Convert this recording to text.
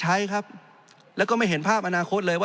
จริงโครงการนี้มันเป็นภาพสะท้อนของรัฐบาลชุดนี้ได้เลยนะครับ